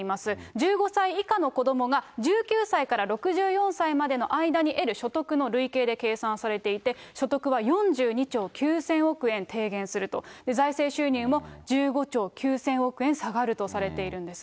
１５歳以下の子どもが１９歳から６４歳までの間に得る所得の累計で計算されていて、所得は４２兆９０００億円低減すると、財政収入も１５兆９０００億円下がるとされているんです。